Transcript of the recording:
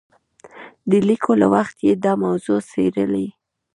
د لیکلو له وخته یې دا موضوع څېړلې.